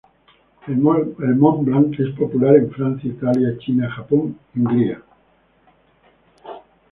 El Mont Blanc es popular en Francia, Italia, China, Japón y Hungría.